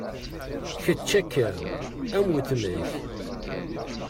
Kečč akka am uttma-k.